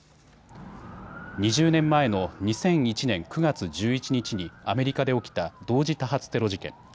２０年前の２００１年９月１１日にアメリカで起きた同時多発テロ事件。